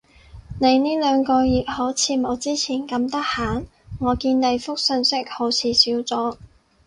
你呢兩個月好似冇之前咁得閒？我見你覆訊息好似少咗